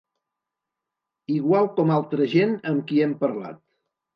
Igual com altra gent amb qui hem parlat.